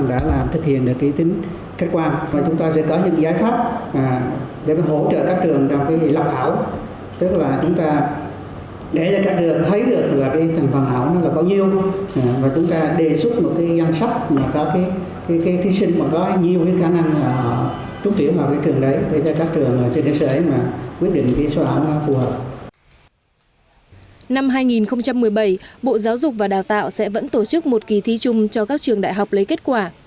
năm hai nghìn một mươi bảy bộ giáo dục và đào tạo sẽ vẫn tổ chức một kỳ thi chung cho các trường đại học lấy kết quả